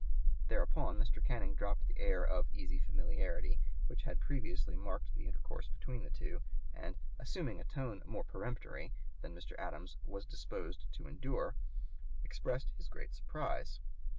Thereupon Mr. Canning dropping the air of "easy familiarity" which had previously marked the intercourse between the two, and "assuming a tone more peremptory" than Mr. Adams "was disposed to endure," expressed his great (p. 141) surprise.